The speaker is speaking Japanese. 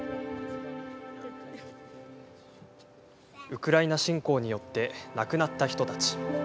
ウクライナ侵攻によって亡くなった人たち。